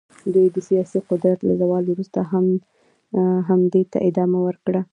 دوی د سیاسي قدرت له زوال وروسته هم دې ته ادامه ورکړه.